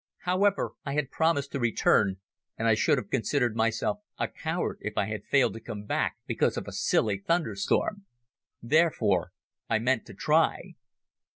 However, I had promised to return and I should have considered myself a coward if I had failed to come back because of a silly thunderstorm. Therefore I meant to try.